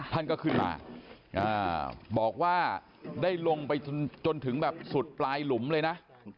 ท่านก็ขึ้นมาบอกว่าได้ลงไปจนถึงแบบสุดปลายหลุมเลยนะ